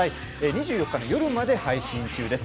２４日の夜まで配信中です。